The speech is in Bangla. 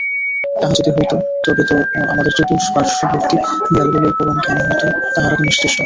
তাহা যদি হইত তবে তো আমাদের চতুষ্পার্শ্ববর্তী দেয়ালগুলিই পরমজ্ঞানী হইত, তাহারা তো নিশ্চেষ্ট।